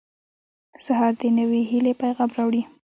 • سهار د نوې هیلې پیغام راوړي.